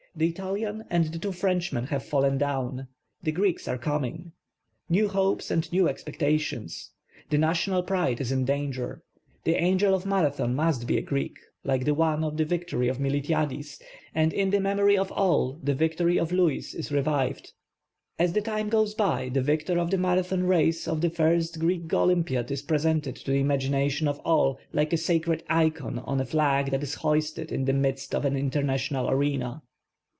The Italian and the two Frenchmen have fallen down. The Greeks are coming. New hopes and new expectations. The national pride is in danger. The angel of Marathon must be a Greek, like the one of the victory of Miltiadis. and in the memory of all the victory of Louis is revived. As the time goes by the victor of the Mara thon race of the first Greek Olympiad is presented to the imag ination of all like a sacred icon on a flag that is hoisted in the midst of an international arena.